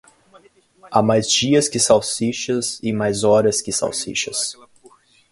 Há mais dias que salsichas e mais horas que salsichas.